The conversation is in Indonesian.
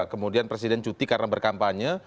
kemudian presiden cuti karena berkampanye